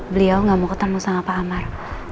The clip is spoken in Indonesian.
beliau gak mau ketemu sama pak amar